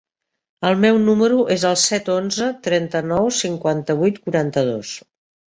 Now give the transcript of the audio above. El meu número es el set, onze, trenta-nou, cinquanta-vuit, quaranta-dos.